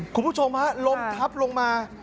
คุณผู้ชมฮะลมทับลงมา